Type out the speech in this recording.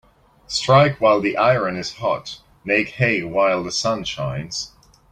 Strike while the iron is hot Make hay while the sun shines.